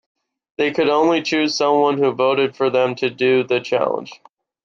They could only chose someone who voted for them to do the challenge.